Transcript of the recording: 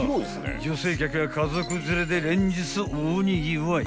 ［女性客や家族連れで連日大にぎわい］